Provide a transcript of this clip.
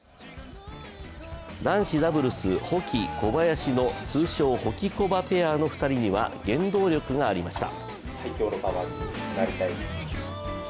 男子ダブルス、保木・小林の通称ホキコバペアの２人には原動力がありました。